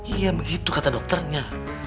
iya begitu kata dokternya